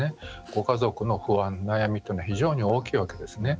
ご家族の不安、悩みというのは非常に大きいわけですね。